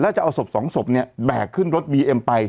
แล้วจะเอาศพสองศพเนี่ยแบกขึ้นรถบีเอ็มไป